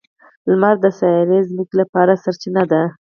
• لمر د سیارې ځمکې لپاره سرچینه ده.